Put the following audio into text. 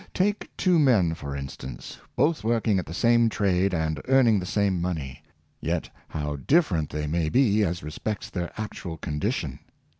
Take two men, for instance, both work ing at the same trade and earning the same money; yet how different they may be as respects their actual condition!